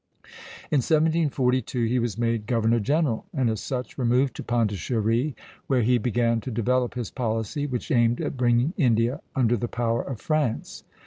In 1742 he was made governor general, and as such removed to Pondicherry. Here he began to develop his policy, which aimed at bringing India under the power of France.